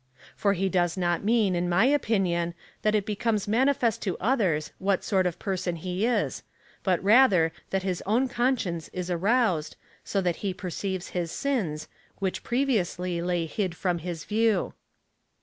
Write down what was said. For he does not mean, in my opinion, that it becomes manifest to others what sort of person he is, but rather that his own conscience is aroused, so that he perceives his sins, which previously lay hid from his view.